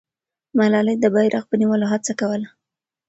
ملالۍ د بیرغ په نیولو هڅه کوله.